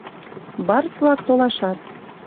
— Барс-влак толашат.